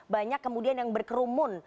banyak kemudian yang berkerumun